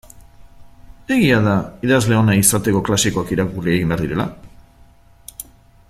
Egia da idazle ona izateko klasikoak irakurri egin behar direla?